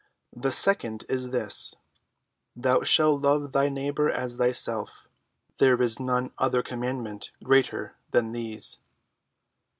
The second is this, Thou shalt love thy neighbor as thyself. There is none other commandment greater than these."